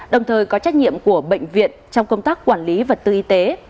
đồng thời có trách nhiệm của bệnh viện trong công tác quản lý vật tư y tế